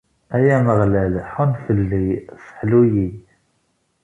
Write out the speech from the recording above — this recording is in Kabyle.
Ay Ameɣlal, ḥunn fell-i, sseḥlu-yi.